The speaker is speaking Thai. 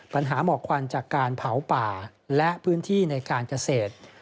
ปัญหาหมอกควันจากการเผาป่าและพื้นที่ในการเกษตร